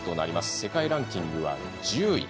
世界ランキング１０位。